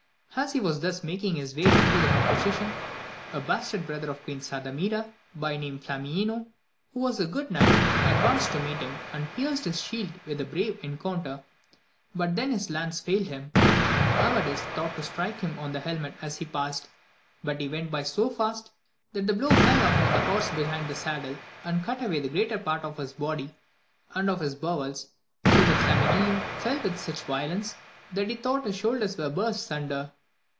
As he was thus making his way without opposition, a bastard brother of Queen Sardamira, by name Flamineo, who was a good knight, advanced to meet him, and pierced his shield with a brave encounter, but then his lance failed him. Ama dis thought to strike him on the helmet as he passed, but he went by so fast that the blow fell upon the horse behind the saddle, and cut away the greater part of his body and of his bowels, so that Flamineo 184 AMADIS OF GAUL. fell with such violence that he thought his shoulders were burst asunder.